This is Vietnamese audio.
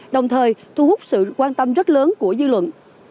đồng thời thu hút sự quan tâm rất lớn của dư luận